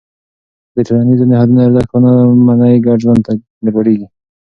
که د ټولنیزو نهادونو ارزښت ونه منې، ګډ ژوند ګډوډېږي.